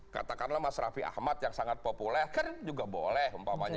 katakanlah mas raffi ahmad yang sangat populer kan juga boleh umpamanya